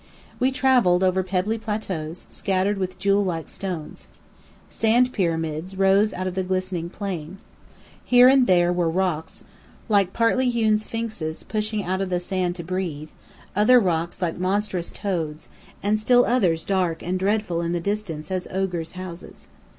We travelled over pebbly plateaus, scattered with jewel like stones. Sand pyramids rose out of the glistening plain. Here and there were rocks like partly hewn sphinxes pushing out of the sand to breathe; other rocks like monstrous toads; and still others dark and dreadful in the distance as ogres' houses.